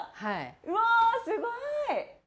うわーすごーい！